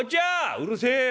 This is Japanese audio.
「うるせえ！